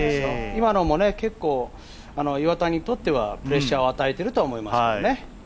今のも岩田にとってはプレッシャーを与えていると思いますよ。